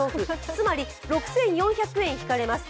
つまり６４００円引かれます。